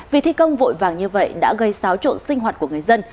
vì thi công vội vàng như vậy đã gây xáo trộn sinh hoạt của người dân